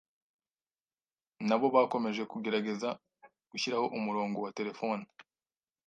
nabo bakomeje kugerageza gushyiraho umurongo wa telefoni